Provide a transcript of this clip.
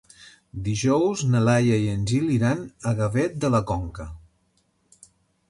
Dijous na Laia i en Gil iran a Gavet de la Conca.